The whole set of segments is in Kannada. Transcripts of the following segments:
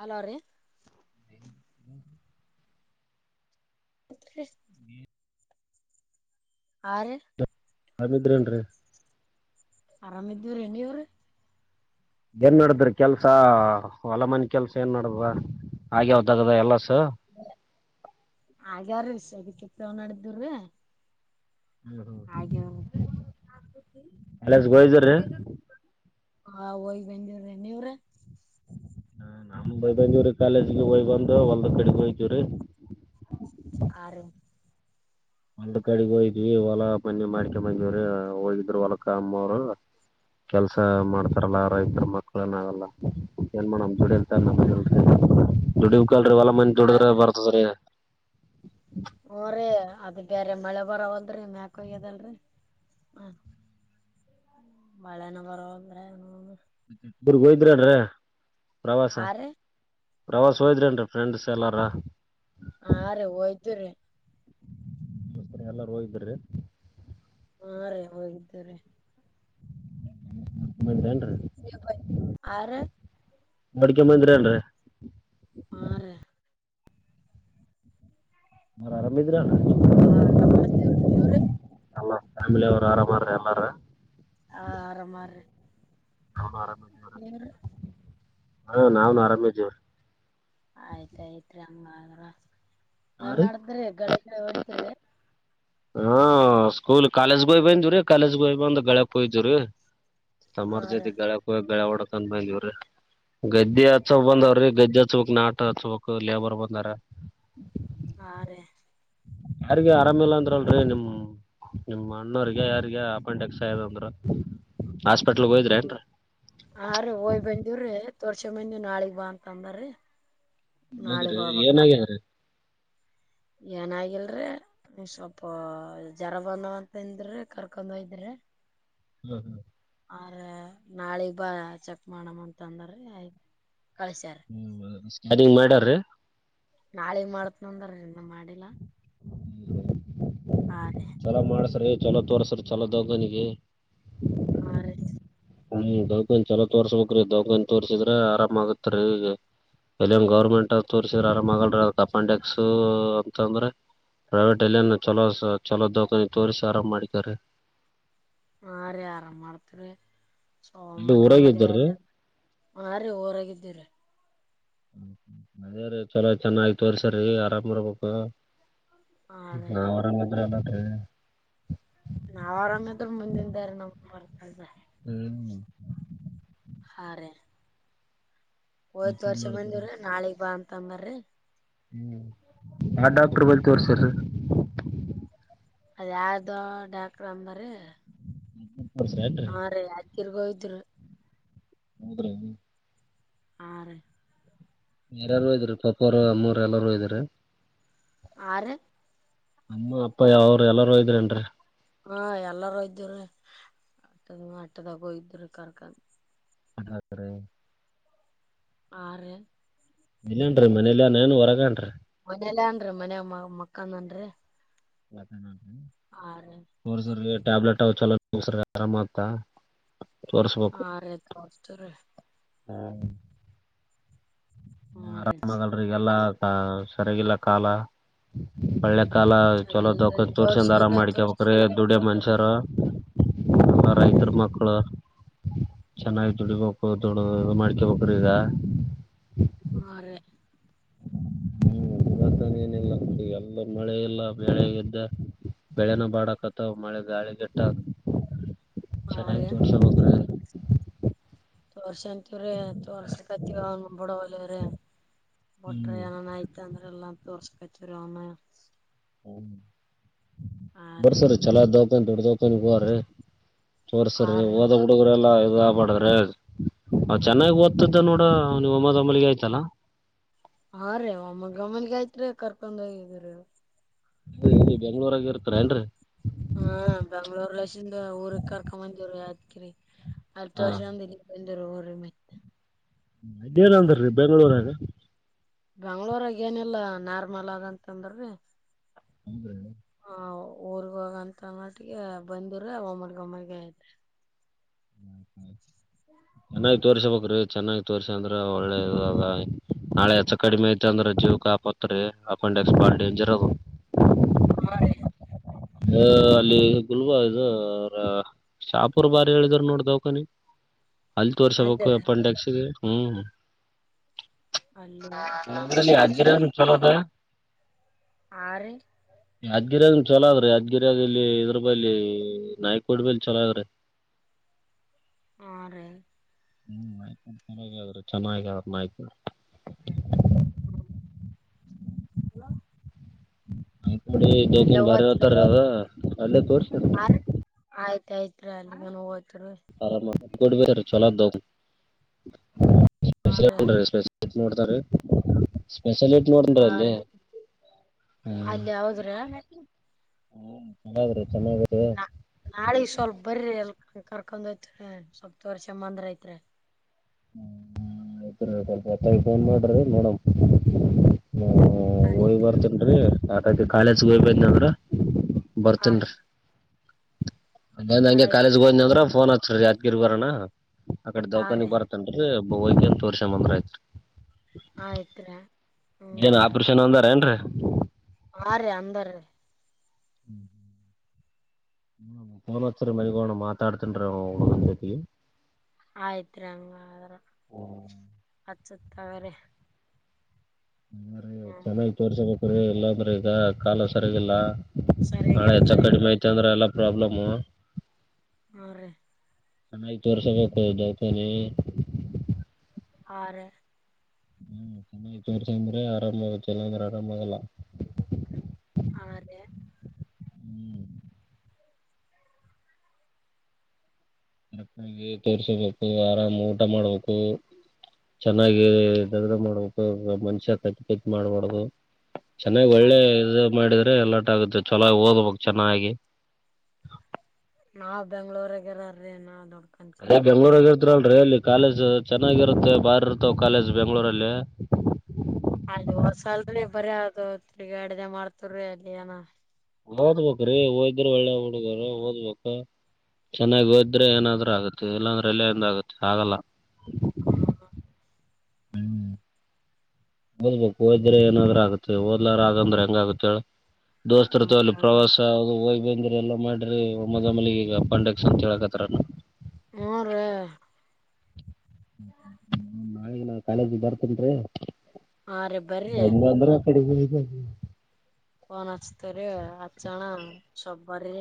ಹಲೋ ರೀ ಹತ್ತ [inaudible] ಹಾರಿ ಕರಮಿದ್ರನ್ ಆರಾಮ ಇದೀವ್ರ ನಿವ್ರಿ ಏನ್ ನಡಿದ್ರಿ ಕೆಲ್ಸ ಹೊಲಮನೆ ಕೆಲ್ಸ ಏನ್ ನಡದ್ ಹಾಗೆಾವ್ದಾಗದ ಎಲ್ಲ ಹಾಗ್ಯಾರೀಷ ಅದಕ್ಕವ ನಡಿದವ್ರೀ ಹ್ಮ್ ಹ್ಮ್ ಹಾಗೆ ಕಾಲೇಜ್ಗೆ ಹೋಯ್ದಿರಿ ಹಾ ಹಯ್ ಬಂದಿವ್ರೆ ನೀವ್ರ ಹಾ ನಾ ಬಯ್ ಬಂದೀವ್ರಿ ಕಾಲೇಜ್ಗೆ ಹಯ್ ಬಂದು್ ಹೊಲ್ದ ಕಡೆಗ್ ಹೋಗಯ್ತವ್ರಿ ಆ ಒಂದ ಕಡೆಗ ಹೋಯ್ವಿ ಇವಲ ಮನೆ ಮಾರಿಕೆ ಮಂರ ಹೋಗಿದ್ರು ಹೊಲಕ್ಕ ಅಮ್ಮವರು ಕೆಲ್ಸ ಮಾಡ್ತ. ಲ್ಲಾರ ಇತರ ಮಕ್ಕಳ ಏನ ಆಗಲ್ಲ ಏನ್ ಮಾಡೋ ದುಡಿತ ದುಡಿ ಲ್ರಿ ಒಲಾ ಮಂದಿ ಆ ದುಡ್ರ ಬರ್ತದೀ. ಓರೇ ಅದ ಬೇರೆ ಮಳೆ ಬರ ಹದ್ರಿ ಮ್ಯಾಕೋಗ್ಯದಲ್ರರಿ ಹ ಮಳೆನ ಬರುವಂದ್ರೆ ಏನು ಇಬ್ಗೋಯಿದ್ರನ್ರ ಪ್ರವಾಸ ಆ ರೀ ಪ್ರವಾಸ ಹೋಯದ್ರಿನ್ರೀ ಫ್ರೆಂಡ್ಸ್ ಎಲ್ಲಾರ ಹಾ ರೀ ಹೋಯ್ತುರೀ ನಸ್ ಎಲ್ಲ ಹೋಗಿದ್ರಿ ಹಾ ರೇ ಹೋಗಿದ್ದಾರೆ [unintelligible] ಹಾರಿ ನೋಡ್ಕೊಂಡ್ ಬಂದ್ರೇನ್ರಿ ಹ್ಮ್ ರೀ ನ ಆರಾಮ ಇದ್ರಣ ಹಾ ನೀವ್ರ ಎಲ್ಲ ಫ್ಯಾಮಿಲಿ ಅವ್ರು ಆರಾಮಾರ ಎಲ್ಲಾರ ಆ ಆರ ಮಾಡ್ರ ನನ್ ಆರಾಮವರ ಹಾ ನಾವನ್ ಆರಾಮೇ ಇದೇವ್ರ ಆಯ್ತಾಯ್ತ್ ಹ್ರ ಹಾ ಏನ್ ರೀ ಆಡತ್ ಗಳಿ ಗ ಹೊಓಡ್ತಿರಿ ಹಾ ಸ್ಕೂಲ್ ಕಾಲೇಜ್ಗೆ ಹೋಯ್ ರೀ ಕಾಲೇಜ್ಗ ಹೋಗ್ ಅಂದ ಗಳಕ್ಯತವ್ರೀ ಹಾ ತರ ರೀ ಜತಿ ಗಳೆ ಕೊವ ಗಳೆ ಳಕ್ಕನ್ ಭ ದವ ರೆ ಗದ್ದೆ ಹಚ್ಕ್ ಹಾ ಬಂದವ್ರೀ ಗದ್ದಜ ಹಚ್ಬಬೇಕಕ್ ನಾಟ ಹಚ್ಮಕ್ ಲೇಬರ್ ಬಂದಲಾರ ಹಾ ರೀ ಯಾರಗ ಆರಾಮ ಇಲ್ಲ ಅಂದ್ರಲ್ರರಿ ನಿಮ ನಿಮ್ಮ ಅಣ್ಣೋರಿಗೆ ಯಾರಿಗೆ ಅಪಾಯಿಂಟ್ ಎಕ್ಸ್ದ ಅಂದ್ರ ಹಾಸ್ಪಿಟ್ಲ್ಗ್ ಹೋಗಿದ್ರಿ ಹ್ಮ ಏನ್ರಿ ಆ ರೀ ಹಯ್ ಬಂದವ್ರೀ ತೋರ್ಷ ಮನ್ ನಾಳಿಗ್ ಬಾ ಅಂತ ಅಂದೀ ಮದ್ರೀ ಏನಾಗ್ಯಾರ ಏನಾಗಿಲ್ರ ನೀ ಸ್ವಲ್ಪ ಜ್ವರ ಬಂದ ಅಂತಂದ್ರ ಕರ್ಕೊಂಡ್ ಹೋಯದ್ರಿ ಹ ಹ್ಮ ಆ್ರ ನಾಳಿಗ್ ಬಾ ಚೆಕ್ ಮಾಡಮ್ಮ ಅಂತಂದ್ರ ಆಯ್ತ.. ಹ್ಮ ಸ್ಕ್ಯಾನಿಂಗ್ ಮಾಡಾರ್ರೀ.. ನಾಳಿಗ್ ಮಾಡತ್ ನಂದ್ರ ಇನ್ನ ಮಾಡಿಲ್ಲಾ [unintelligible] ರೀ ಚಲೋ ಮಾಡಸ್ರಿ ಚಲೋ ತೋರ್ಸ್ರಿ ಚಲೋದಗನಿಗೆ.. ಹಾ ರ ಹ್ಮ್ ದೌಖಾನ್ ಚಲೋ ತೋರ್ಸ್ಬೇಕೇ್ರಿ ದೌಖನ್ ತೋರ್ಸಿದ್ರೆ ಆರಾಮ ಆಗತ್ರಿೀ ಈಗ ಎಲ್ಲಿನ್ ಗೌರ್ಮೆಂಟ್ ತೋರ್ಸಿದ್ರ ಆರಾಮ್ ಆಗಲ್ರಿೀ ಅದ ಅಪೆಂಡೆಕ್ಸ್ ಅಂತಂದ್ರೆ ಪ್ರೈವೇಟ್ ಎಲ್ಲಿನ ಚಲೋ ಚಲೋ ದಖಾನಿ ತೋರಿಸಿ ಆರಾಮ್ ಮಾಡಿಕಾರೆ ಆಾ ರ ಆರಮ್ಮಳತ ಇಲ್ಲಿ ಊರಾಗ ಸೋಂಬರಿಿಕಂಬರಿಗ ಇದ್ದಾರ್ರಿ ಹಾ ರೀ ರಾಗಿದ್ದೀರಿ ಹ ಅದೇ ರೀ ಚಲೋ ಚೆನ್ನಾಗಿತವರ್ಸ್ರೀ ಆರಾಮ್ರ್ಬೇಕು ಹಾ ರೀ ನಾವವು ಅವರಾಮಿದ್ರೆ ಎಲ್ಲತವೆ ನಾವ್ ಆರಾಮ ಆದ್ರ ಮುಂದಿಂದಾರ ನಮ ಬರ್ತಲ್ ಹ್ಮ್ ಹಾರಿ ಹೋಯತ್ ಮತ್ತೇನ್ ವರ್ಷ ನಡದ್ರಿ ಬಂದವ್ರೀ ನಾಳಿಗ್ ಬಾ ಅಂತಂಗರಿ ಹ್ಮ್ ಆ ಡಾಕ್ಟರ್ ಬಲ್ತವರ್ ಸರ್ ಅದ ಯಾರ್ದೋ ಡಾಕ್ರ ಅಂಬ್ರ ಕೊಡ್ಸ್ರ ಆ ಕಿರ್ಗೋಯ್ದ್ರು ಹೌದ್ರೀ.. ಆ ಯರಾರೂ ಇದಾರೆ ಪಪ್ಪರು ಅಮ್ಮರು ಎಲ್ಲಾರೂ ಇದ್ದಾರೆ ಹಾ ರೀ ಅಮ್ಮ ಅಪ್ಪ ಯಾವರು ಎಲ್ಲಾರೂ ಇದ್ರನ್ರಿ ಹಾ ಎಲ್ಲಾರೂ ಇದ್ದ್ರೀ ಅದ ಅಟ್ಟದಾಗ ಇದ್ದ್ರ ಕರ್ಕನ್ ಅದ್ರ ಆ ಇಲ್ಲೇನ್ರಿ ಮನೇಲಿ ನೇನ್ ಹೊರಗನ್ರಿ ಮನಲ್ಲ ಅನ್ರರಿ ಮನ ಮ ಮಕ್ಕನ್ನ್ರಿ ಅದ ನ ಹಾ ಟ್ಯಾಬ್ಲೆಟ್ ಅವ ಚಲೋಸರ್ ಆರಾಮ ಆಗ್ತಾ. ಹಾ ರೇತ್ರಸ್ತು ರೀ. ಹ್ಮ. ಹ್ಞೂ ರೀ ಆರಾಮ ಆಗಲ್ರಿಗೆಲ್ಲ ಸರಿಾಗಿಿಲ್ಲ ಕಾಲ ಒಳ್ಳೆ. ಕಾಲ ಚಲೋ ಚಲೋರಿ ತೊಕೊಂಡ ತೋರ್ಸನ್ರ ತೋರ್ಸಿವ್ರಿ ತೋರ್ಸಿ ಮಾಡ್ಕಬಕ್ದುಡ್ಡ ಮನ್ಷ್ಯರು ನಮ್ಮ ಹಾ ರೀ ರೈತರು ಮಕ್ಕಳು ಚೆನ್ನಾಗಿ ದುಡಿಬೇಕು ದುಡ ಮಾಡ್ಕೇಬೇಕ್ರ ಈಗ. ಹಾ ರೇ. [unintelligible] ಇತಾನ ಏನಿಲ್ಲ ಎಲ್ಲ ಮಳೆ ಇಲ್ಲ ಬೆೇಳೆ ದ್ದ. ಬೆಳೆನ ಬಾಡಕತವ ಮಳೆ ಗಾಳಿ ಗಟ್ಟ. ಹಾ ಸರ ರೀ ತುಷ. ತೋರ್ಸ ಅಂತವ್ರೀ ತೋರ್ಸಕತಿವ ಅವನ್ ಬಿಡಲವ್ರ. ಬಟ್ರ ಹ್ಮ್ ಏನನ ಆಯ್ತ ಅಂದ್ರೆ ಎಲ್ಲಾ ತೋರ್ಸ್ಕತರಿ ಅವನ. ಹ ರೀ ಬರ್ಸರ ಚಲ ದಕನ್ ದೊಡ್ಡ ದೊಕನ್ ಗು ರ. ಸೋರ್ ಹಾ ಸರ್ರೀ ರೀ ಹೋದಾಗ ಹುಡುಗ್ರ ಎಾ. ಬ್ರ ಚೆನ್ನಾಗಿ ಓದ್ತಿದ್ದ ನೋಡ ನೀವು ಅಮ್ಮದೊಮ್ಮಿಗೆ ಆಯ್ತಲ್ಲ. ಹಾ ರೀ ಒಮ್ಮ ಗಮ್ಮನ್ಗ ಆಯ್ತ್ರ ಕರ್ಕೊಂಡ ಹೋಗಿದರಿ. ಲ್ಲಿ ಬೆಂಗ್ಳೂರಗ ಇರ್ತಾರ ಏಲ್ರರಿ. ಹಾ ಬೆಂಗ್ಳೂರ್ಲಸಿಂದ ಊರ್ ಕರ್ಕೊಂಬಂದಿವ್ರ ಯದಕಿರಿ. ಅಲ್ತ್ತು ಹಾ ವರ್ಷ ಅ ಇ ಬಂದ ಮತ್ತ. ಮೇನ ಅಂತಾರೀ ಬೆಂಳೂರಾಗ. ಬೆಂಗ್ಳೂರಾಗ ಏನಿಲ್ಲಾ ನಾರ್ಮಲ್ ಆಗಂತಂದ್ರ್ರೀ. ಅಂದ್ರೆ. ಹ ಊರ್ಗ ಹೋಗಂತ ಮಟಿಗೆ ಬಂದ್ರ ಒಮ್ಮಗಮ್ಮಗ ಇದ್ರೆ. ಮನೇಲ ತೋರ್ಷಾಬೇಕ್ರಿ. ಚೆನ್ನಾಗಿ ತೋರ್ಸ್ಯಂದ್ರ ಒಳ್ಳೆದಾದ ನಾಳೆ ಹೆಚ್ಚ ಕಡಿಮೆ ಐತೆ ಅಂದ್ರ ಜೀವ್ಕ ಆಪತ್ರಿ ಆಪ ಡೆಸ್ಕ್ಪಾ ಡೇಂಜರ್ ಅದು. ಹಾ ರೀ. ಹ ಅಲ್ಲಿ. ಗುಲ್ಬದು ಶಾಪೂರ್ ಬಾರಿ ಹೇಳಿದ್ರ ನೋಡ ದೌಖಾನಿ. ಅಲ್ ತೀರ್ಷಬೇಕ್ ಅಲ್ಲೇ ರೀ ಅಪೆಂಡೆಕ್ಸ್ಗಿ ಹ್ಮ್. ಅಲ್ಲಿ ಇಲ್ಲಂದ್ರ ಅಲ್ಲಿ ಯಾದಗಿರ್ಯಾಗ್ ಚಲೋದ. ಹಾ ರೀ ಯಾದಗಿರ್ಯ ಚಲೋ ಆದ್ರಿ ಯಾದಗಿರ್ಯಾಗ್ ಇಲ್ಲಿ ಇದರ ಬಲ್ಲಿ ನಾಯ್ಕೋಡ್ ಬಲ್ಲಿ ಚಲೋ ಆದ್ರಿ. ಹಾ ರಿ. ಹ್ಮ್ ನಾಯ್ಕೋಡ್ ಚಲೋ ಆದ್ರಿ ಚೆನ್ನಾಗಿ ಆದ್ ನಾಯ್ಕೋಡ್. ನಾಯ್ಕೋಡಿ ಅಲ್ಲೇ ಚೆಕಿಂಗ್ ಬಾರಿ ಹೋತ್ ಹೇಳ್ತರಿ ಅದ ಅಲ್ಲೇ ತೋರ್ಸಬ ಹಾ ರೀ ಆಯ್ತ್ ಆಯ್ತ್ರಿ ಅಲ್ಲಿಗನ ಹೋಗ್ ಆರಾಮ [unintelligible] ಬರ್ರಿ ಚಲೋ ಆದ ದವಖಾನಿ ಹಾ ರೀ ಸ್ಪೆಷಲಿಸ್ಟ್ ಹೆಚ್ಚ ನೋಡ್ತಾರಿ. ಹಾ ರಿ ಅಲ್ಲ ಯಾವುದ್ರ ಹ್ಮ ಚಲೋ ಆದ್ರಿ. ನಾ ನಾಳಿಗ್ ಸ್ವಲ್ಪ ಬರ್ರಿ ಅಲ್. ಹ ಕರ್ಕೊಂಡ್ ಹೋಯಿತೆವ್ರಿ ಸ್ವಲ್ಪ್ ತೋರ್ಷಾಬಂದ್ರ ಐತ್ರಿ. ಹ್ಮ ಆಯಿತೋರಿ ಸ್ವಲ್ಪ ಹೊತ್ತಾಗಿ ಫೋನ್ ಮಾಡ್ರಿ ನೋಡಂ. ಹ್ಮ ಹೊಯ್ ಬರ್ತೀನ್ರಿ ನಾಕೈತಿ ಕಾಲೇಜ್ ಹೋಗಿಬನ್ನಿ ಅಂದ್ರ. ಹಾ ಬರ್ತೀನಿ. ರೀ ಮಧ್ಯಾನ ಹಂಗೆ ಆಯ್ತ್ ಕಾಲೇಜ್ ಹೋದ್ನ ಅಂದ್ರ ಫೋನ್ ಹಚ್ರಿ ಯಾದ್ಗಿರಿ ಬರಣ ಅ ಕಡೆ ಹಾ ದೌಖಾನಿ ರೀ ಬರ ಅಂದರಿ ಬೊ ಹೊಕ್ಯಾಂತ್ ತೋರ್ಷಾಂಬಂದ್ರ ಆಯ್ತ. ಆಯ್ತ್ರಾ. ಏನ ಆಪರೇಷನ್ ಅಂದಾರ ಏನ್ರಿ. ಹಾ ರೀ ಅಂದಾರೀ. ಹ್ಮ್ ಹ್ಮ್ ಫೋನ್ ಹಚ್ರಿ ಮನಿಗ್ ಹೋಗಣ ಮಾತಾಡತಿನ್ರಿ ಹೊ ಅವ್ನ ಜೋತಿಗಿ. ಆಯ್ತ್ರಿ ಹಂಗಾದ್ರ ಜೊತೆಗೆ ಹಚ್ಚತ್ಗ್ ರಿ. ಹಾ ರಿ ಚೆನ್ನಾಗಿ ತೋರ್ಸಬೇಕು ರೀ ಇಲ್ಲ ಅಂದ್ರ ಈಗ ಕಾಲ ಸರ್ಯಾಗಿಲ್ಲ. ನಾಳೆ ಹೆಚ್ಚ ಸರಿಯಾಗಿಲ್ರಿ ಕಡಿಮೆ ಐತ ಅಂದ್ರ ಎಲ್ಲಾ ಪ್ರಾಬ್ಲಮ್ಮ. ಹಾ ರಿ. ಚೆನ್ನಾಗಿ ತೋರಿಸಬೇಕು ದವಖನಿ. ಹಾ ರಿ ಹ್ಮ್ ಚೆನ್ನಾಗಿ ತೋರ್ಸ್ಹ್ಯಾಂದ್ರೆ ಆರಾಮ ಆಗತ್ತ ಇಲ್ಲಂದ್ರ ಆರಾಮ ಆಗಲ್ಲ. ಹಾ ರ್ಯ. ಹ್ಮ್ ಕರೆಕ್ಟಾಗಿ ತೋರ್ರಿಸಬೇಕು ಆರಾಮ್ ಊಟ ಮಾಡ್ಬೇಕು. ಚೆನ್ನಾಗಿ ದಗದ ಮಾಡ್ಬೇಕು ಮನುಷ್ಯ ತಕ್ ತಕ್ ಮಾಡ್ಬಾರ್ದು. ಚೆನ್ನಾಗಿ ಹಾ ಒಳ್ಳೆ ರೀ ಇದು ಮಾಡಿದ ಎಲ್ಲಟ ಆಗತ್ತೆ ಚೊಲೋ ಓದ್ಬೇಕ್ ಚೆನ್ನಾಗಿ. ನಾವು ಬೆಂಗಳೂರಾಗ ಇರೋರ ರೀ ನಾವ್ನು. ಅಲ್ಯಾಕ್ ಬೆಂಗಳೂರಾಗ ಇರ್ತಲ್ರಿ ಅಲ್ಲಿ. ಕಾಲೇಜ್ ಚೆನ್ನಾಗಿರುತ್ತೆ ಬಾರ್ ಇರ್ತವ ಕಾಲೇಜ್ ಬೆಂಗಳೂರಲ್ಲಿ. ಬರೆ ಅದು ತೀರ್ಗ್ಯಡದೆ ಮಾಡ್ತವ್ರಿ ಅಲ್ಲಿ ಏನ. ಓದ್ಬೇಕ್ರೀ ಓದ್ದ್ರ ಒಳ್ಳೆ ಹಡಗ್ರ ಓದ್ಬೇಕ. ಚೆನ್ನಾಗಿ ಓದ್ರೆ ಏನಾದ್ರ ಆಗತ್ತೆ ಇಲ್ಲಾಂದ್ರೆ ಎಲ್ಲೆಂದ ಆಗತ್ತೆ ಆಗಲ್ಲ ಹಾ [inaudible] ಓದ್ಬೇಕು ಓದ್ರೆ ಏನಾದ್ ಆಗುತ್ತೆ ಓದ್ಲಾರ ಆಗಂದ್ರೆ ಹೆಂಗಗುತ್ತ ಹೇಳ ಹ್ಮ್ ದೋಸ್ತತಲ್ಲಿ ಪ್ರವಾಸ ಅದು ಹೊಗೆ ಬಂದ್ರ ಎಲ್ಲಾ ಮಾಡ್ರಿ ಒ ಮೊದೊಮ್ಮಲಿ ಈಗ ಅಪೆಂಡಿಕ್ಸ್ ಅಂತ ಹೇಳರೇನು ಹ್ಮ್ ರಿ ನಳ ನ ಕಾಲೇಜ ಬರ್ತೇನ್ರಿ ಹಾ ರೀ ಬರ್ರಿ ಬಂಗ ಅಂದ್ರೆ ಅಕ್ಕಡೆ [unintelligible] ಫೋನ್ ಹಚ್ಚುತೀನಿ ಹಚ್ನಾ ಸ್ವಲ್ಪ ಬರೆ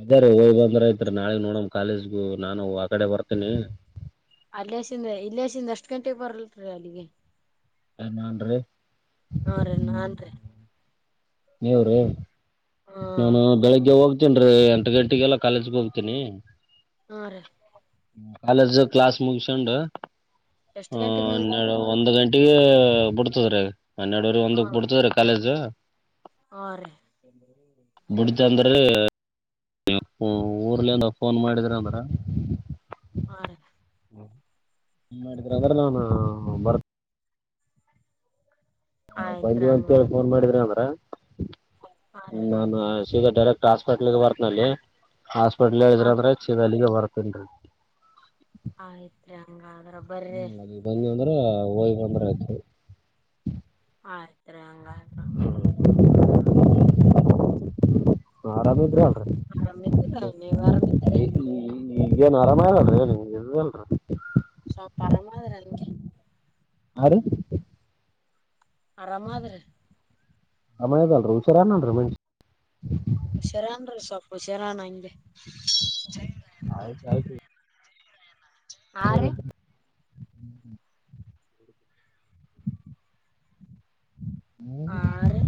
ಅದ ರೀ ಹೋಗಿ ಬಂದ್ರಯತ್ರಿ ನಾಳಗ್ ನೋಡಮ ಕಾಲೇಜ್ಗು ನಾನು ಆ ಕಡೆ ಬರ್ತೇನಿ ಅಲ್ಲಸಿಂದ ಇಲ್ಲಸಿಂದ ಅಷ್ಟ್ ಗಂಟೆಗೆ ಬರಲ್ರಿ ಅಲ್ಲಿಗೆ ಏನು ನಾನು ರಿ ಹಾ ರಿ ನಾನ್ ರೀ ನೀವ್ರೇ ಹಾ ನಾನು ಬೆಳಿಗ್ಗೆ ಹೋಗೆ ಹೋಗತನ್ರಿ ಎಂಟು ಗಂಟೆಗೆೆಲ್ಲಾ ಕಾಲೇಜ್ಗೆ ಹೋಗ್ತೀನಿ ಹಾ ರೀ ಕಾಲಜ ಕ್ಲಸ್ ಮುಗಿಸಿಕೊಂಡು ಎಷ್ಟ್ ಹ ಗಂಟೆಗೆ ಹನ್ನೆರಡು ಮುಗಿತರಿ ಒಂದು್ ಗಂಟೆಗೆ ಬಿಡ್ತದ್ರ ರಿ ಹನ್ನೆರಡವರೆ ಹಾ ಒಂದಕ್ ಬಿಡ್ತದ್ರೀ ಕಾಲೇಜ್ ಹಾ ರೀ ಬಿುಡಿತಂದ್ರೆ ನೀ ಊರ್ಲಿಿಂದ ಫೋನ್ ಮಾಡಿದ್ರ ಅಂದ್ರ ಹಾ ರೀ ಫೋನ್ ಮಾಡ್ರಿ ನಾನು ಬರ್ತೇನೆ ಹಾ ಆಯ್ತ್ ರೀ ಬಂದಿವ ಹಂಗ ಅಂತೇಳಿ ಫೋನ್ ಮಾಡಿದ್ರೆ ಅಂದ್ರ ಹಾ ರೀ ನಾನು ಸೀದಾ ಡೈರೆಕ್ಟ್ ಹಾಸ್ಪಿಟ್ಲ್ಗೆ ಬರ್ತ ಅಲ್ಲಿ ಹಾಸ್ಪಿಟ್ಲ್ಯ ಹಾ ರೀ ಅಂದ್ರೆ ಸೀದಾ ಅಲೆಗೆ ಬರ್ತ ತೇನ್ ರಿ ಆಯ್ತ್ರಿ ಹಂಗ ಆದ್ರೆ ಹ್ಮ ಅಲೆ ಬನ್ನಿ ಅಂದ್ರ ಹೋಗ್ ಬಂದ್ರೆ ಆಯ್ತ ಆಯ್ತು ರಿ ಹಂಗೆ ಆದ್ರೆ [inaudible] ಆರಾಮಿದ್ರಿ ಅಲ್ರಿೀ ಆರಾಮಿದ್ರ ನೀವ್ ಆರಾಮಿದ್ರಿ [unintelligible] ಈಗೇಏನ್ ಆರಾಮರದೀ ಇ್ರ ನಿ ಇಲ್ರ ಸಲ್ಪ ಆರಾಮ್ ಆದ್ರೆ ಹಂಗೆ ಹಾ ರಿ ಆರಾಮಾದ್ರೆ ಮಾಯದಲ್ರರಿ ಹುಷಾರಏನಲ್ ಮನುಷಿ ಹುಷಾರನ್ ರಿ ಸ್ವಲ್ಪ ಹುಷಾರಣ ಹಂಗೆ ಆಯ್ತು ಆಯ್ತು ಹಾ ರಿ ಹ್ಮ್ ಹ್ಮ್ [unintelligible] ಹಾ ರಿ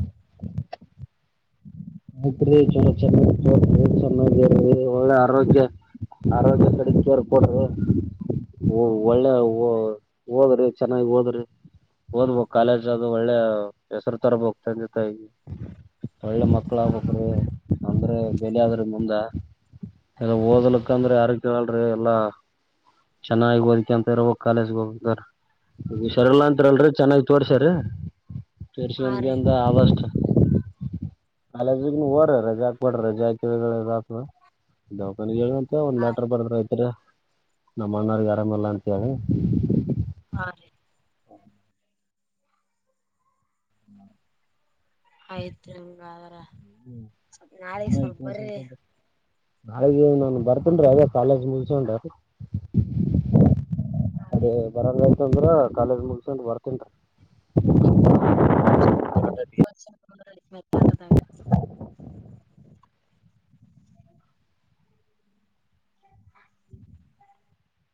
ಬುಡರಿ ಚೆನ್ನ ಚೆನ್ನ ಒಳ್ಳೆ ಆರೋಗ್ಯ [unintelligible] ಆರೋಗ್ಯ ಸಡ ಕವರ್ ಕೊೂಡದು ಒಳ್ಳೆ ಓದ್ರಿ ಚೆನ್ನಾಗಿ ಓದ್ರಿ ಓದಬೇಕು ಕಾಲೇಜ್ ಅದು ಒಳ್ಳೆ ಹೆಸರು ತರಬೇಕು ತಂದೆ ತಾಯಿ ಒಳ್ಳೆ ಅಲ್ಲ ಅಂದ್ರೆ ಬೆಲಾದ್ರ ಮುಂದೆ ಎ ಹ್ಮ ಓದ್ಲಿಕ್ಕ ಅಂದ್ರೆ ಯಾರು ಕೇಳಿರೆ ಎಲ್ಲಾ ಚೆನ್ನಾಗಿ ಓದಿಕ ಅಂತ ಇರ ಕಾಲೇಜ್ಗೆ ಹೋಗಾದರೆ ಹುಷರಲ್ಲ ರೀ ಅತ್ಲ್ರರಿ ಚೆನ್ನಾಗಿ ತೋರ್ಸ್ಯಾರ ಹಾ ತೋರ್ಸಿಂದಗೆ ರೀ ಅಂದ ಆದಷ್ಟ ಕಾಲೇಜಗೇ ಹೋಗರಿ ರಜಾಕ್ಬಡ್ರ ರಜಾ ಇದು ಹಾಗುತ ದೌಕಾನೆ [unintelligible] ಮತ್ತ ಒಂದ್ ಆಯ್ತ್ ಲೆಟರ್ ಬರ್ದ್ರ ಐತ್ರಿ ನಮ್ಮ ಅಣ್ಣರ್ ಆರಾಮಿಲ್ಲ ಅಂತ ಹೇಳಿ ಹಾ ರೀ ಆಯ್ತ್ ಹಂಗ ಹ್ಮ್ ಆಯ್ತು ಬರ್ರಿ. ಅಳೆ ನನ್ ಬರ್ತೇನ್ ರೀ ಅದೇ ಕಾಲೇಜ ಮುಗಿಸಿಕೊಂಡು ಅದೇ ಬರಗಂಯತ ಅಂದ್ರ ಕಾಲೇಜ್ ಮುಗಸಕೊಂಡು ಬರತಿನರೀ [unintelligible] [inaudible]